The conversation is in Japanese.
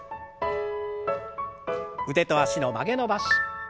腕と脚の曲げ伸ばし。